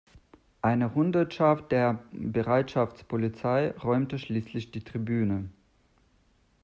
Eine Hundertschaft der Bereitschaftspolizei räumte schließlich die Tribüne.